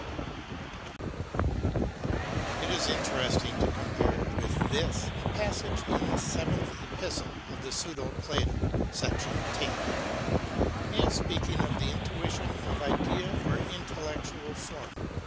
t It is interesting to compare with this a passage in the Seventh Epistle of the " Pseudo Plato," sect. x. He is speaking of the intuition of idea or intel lectual form.